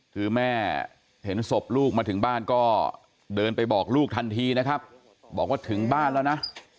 คือแม่เห็นศพลูกมาถึงบ้านก็เดินไปบอกลูกทันทีนะครับบอกว่าถึงบ้านแล้วนะ